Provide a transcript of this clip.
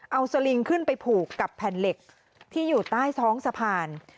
เอาสลิงขึ้นไปผูกกับแผ่นเหล็กที่อยู่ใต้ท้องสะพาน